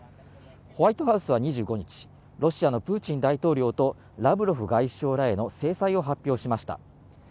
ホワイトハウスは２５日、ロシアのプーチン大統領と、ラブロフ外相らへの制裁を発表しました。